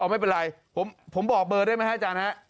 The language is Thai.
ไม่เป็นไรผมบอกเบอร์ได้ไหมฮะอาจารย์ฮะ